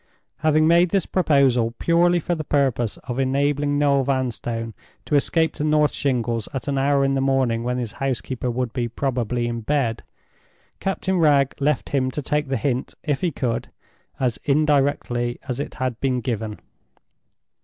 Having made this proposal purely for the purpose of enabling Noel Vanstone to escape to North Shingles at an hour in the morning when his housekeeper would be probably in bed, Captain Wragge left him to take the hint, if he could, as indirectly as it had been given.